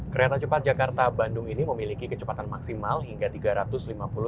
kereta cepat jakarta bandung ini memiliki kecepatan maksimal hingga tiga ratus lima puluh